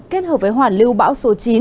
kết hợp với hoàn lưu bão số chín